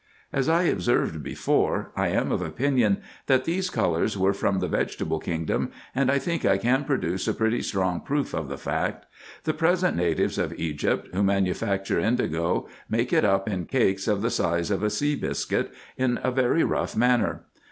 As I observed before, I am of opinion, that these colours were from the vegetable kingdom, and think I can pro duce a pretty strong proof of the fact. The present natives of Egypt, who manufacture indigo, make it up in cakes of the size of a sea biscuit, in a very rough manner.